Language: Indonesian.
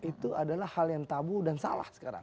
itu adalah hal yang tabu dan salah sekarang